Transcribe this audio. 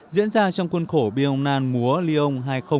diễn ra trong khuôn khổ biên ông nan múa lyon hai nghìn một mươi sáu